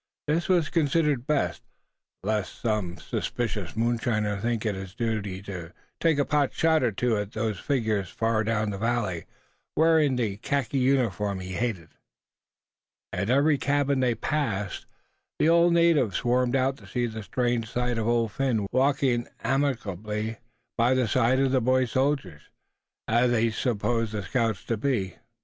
This was considered best, lest some suspicious moonshiner think it his duty to take a pot shot or two at those figures far down the valley, wearing the khaki uniform he hated. At every cabin they passed, the natives swarmed out to see the strange sight of Old Phin walking amiably by the side of the boy soldiers, as they supposed the scouts to be.